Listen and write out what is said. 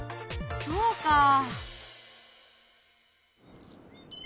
そうか。